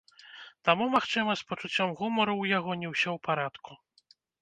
Таму, магчыма, з пачуццём гумару ў яго не ўсё ў парадку.